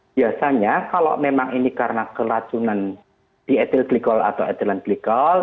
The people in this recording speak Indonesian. biasanya kalau memang ini karena kelacunan dietit glikol atau etilen glikol